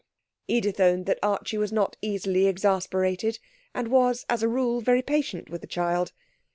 Edith owned that Archie was not easily exasperated and was as a rule very patient with the child.